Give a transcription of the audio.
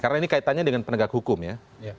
karena ini kaitannya dengan penegak hukum ya